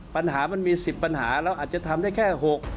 ปัญหามันมี๑๐ปัญหาเราอาจจะทำได้แค่๖